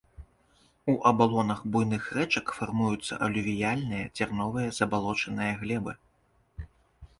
У абалонах буйных рэчак фармуюцца алювіяльныя дзярновыя забалочаныя глебы.